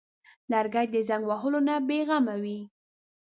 لرګی د زنګ وهلو نه بېغمه وي.